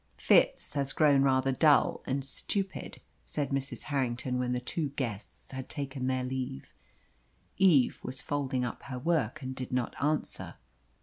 "Fitz has grown rather dull and stupid," said Mrs. Harrington, when the two guests had taken their leave. Eve was folding up her work, and did not answer.